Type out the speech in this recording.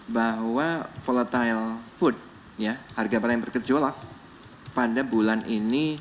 bahwa volatile food harga barang yang berkejolak pada bulan ini